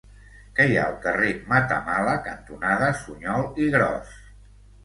Què hi ha al carrer Matamala cantonada Suñol i Gros?